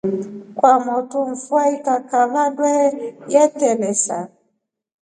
Kwamotu mfua ikakava ndwehe yeteresa.